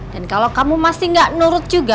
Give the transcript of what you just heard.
dan kalau kamu masih gak nurut juga